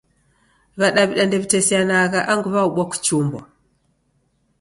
W'adaw'ida ndewitesianagha angu w'aobua kuchumbwa.